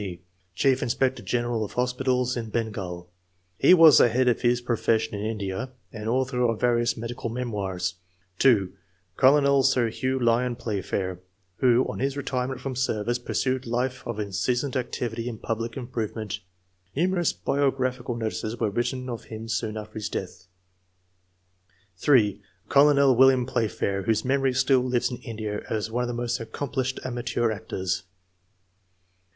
D., chief inspector general of hospi tals in Bengal; he was the head of his pro fession in India, and author of various medical memoirs; (2) Colonel Sir Hugh Lyon Playfair, who on his retirement from service pursued life of incessant activity in public improvement (numerous biographical notices were written of him soon after his death) ; (3) Colonel William Playfair, whose memory still lives in India as one of the most accomplished ama teur actors.